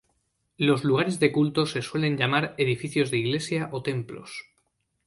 Los lugares de culto se suelen llamar "edificios de iglesia" o "templos".